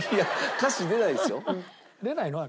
歌詞出ないですよ。